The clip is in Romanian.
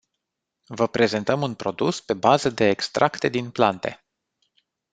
Vă prezentăm un produs pe bază de extracte din plante.